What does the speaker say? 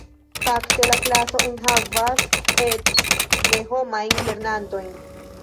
Fakte, la klaso enhavas eĉ ne-homajn lernantojn.